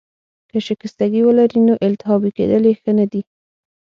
که شکستګي ولرې، نو التهابي کیدل يې ښه نه دي.